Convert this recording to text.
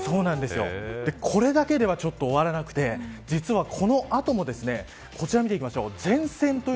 これだけではちょっと終わらなくて実は、この後もこちらを見ていきましょう。